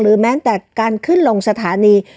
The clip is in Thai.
แม้แต่การขึ้นลงสถานี